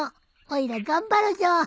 おいら頑張るじょ。